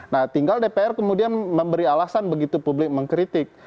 nah tinggal dpr kemudian memberi alasan begitu publik mengkritik